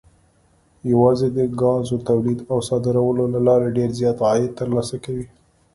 یوازې د ګازو تولید او صادرولو له لارې ډېر زیات عاید ترلاسه کوي.